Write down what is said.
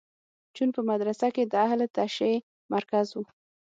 جون په مدرسه کې د اهل تشیع مرکز و